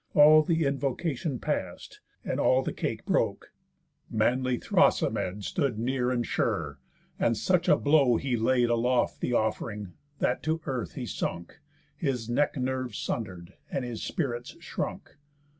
All th' invocation past, And all the cake broke, manly Thrasymed Stood near, and sure, and such a blow he laid Aloft the off'ring, that to earth he sunk, His neck nerves sunder'd, and his spirits shrunk.